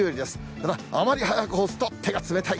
ただ、あまり早く干すと手が冷たい。